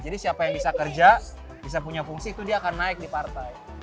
jadi siapa yang bisa kerja bisa punya fungsi itu dia akan naik di partai